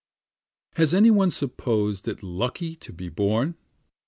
7 Has any one supposed it lucky to be born?